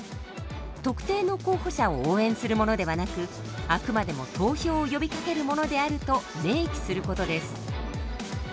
「特定の候補者を応援するものではなくあくまでも投票を呼びかけるものである」と明記することです。